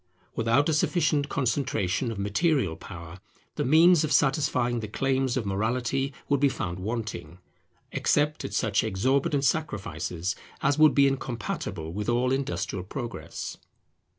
Without a sufficient concentration of material power, the means of satisfying the claims of morality would be found wanting, except at such exorbitant sacrifices as would be incompatible with all industrial progress.